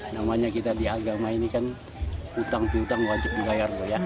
namanya kita di agama ini kan utang piutang wajib membayar